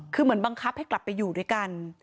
คือเหมือนบังคับให้กลับไปอยู่ด้วยกัน